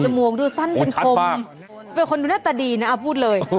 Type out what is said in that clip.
มวงดูสั้นเป็นคมเป็นคนดูหน้าตาดีนะพูดเลย